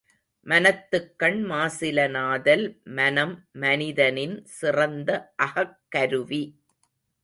மனத்துக்கண் மாசிலனாதல் மனம், மனிதனின் சிறந்த அகக்கருவி.